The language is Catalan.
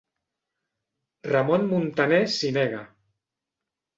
Ramon Muntaner s'hi nega.